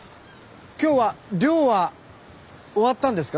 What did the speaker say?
今日は漁は終わったんですか？